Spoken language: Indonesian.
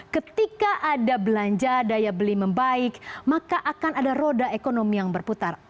ketika ada belanja daya beli membaik maka akan ada roda ekonomi yang berputar